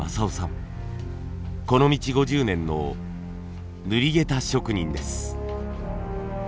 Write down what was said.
この道５０年の塗下駄職人です。